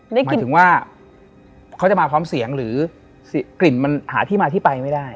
หมายถึงว่าเขาจะมาพร้อมเสียงหรือกลิ่นมันหาที่มาที่ไปไม่ได้